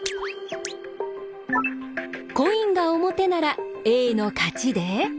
コインが表ならＡの勝ちで。